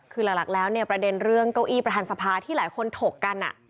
คือหลักแล้วเนี่ยประเด็นเรื่องเก้าอี้ประธานสภาที่หลายคนถกกัน